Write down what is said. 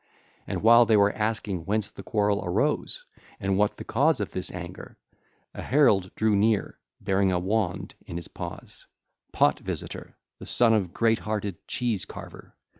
And while they were asking whence the quarrel arose, and what the cause of this anger, a herald drew near bearing a wand in his paws, Pot visitor the son of great hearted Cheese carver.